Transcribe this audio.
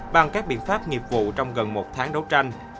bằng các biện pháp nghiệp vụ trong gần một tháng đấu tranh